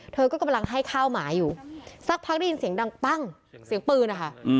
เธอก็กำลังให้ข้าวหมาอยู่สักพักได้ยินเสียงดังปั้งเสียงปืนนะคะ